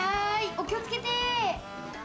お気をつけて。